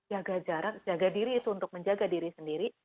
jaga jarak jaga diri itu untuk menjaga diri sendiri